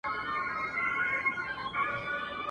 د ښورېدلو يو پرواز په پروانه کي نه وو